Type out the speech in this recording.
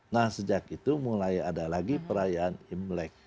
nah sejak itu mulai ada lagi perayaan imlek